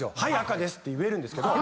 赤ですって言えるんですけど。